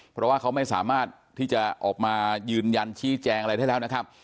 เพราะว่าเขาไม่สามารถที่จะออกมายืนยันชี้แจงอะไรได้แล้วนะครับ